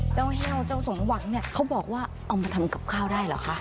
แห้วเจ้าสมหวังเนี่ยเขาบอกว่าเอามาทำกับข้าวได้เหรอคะ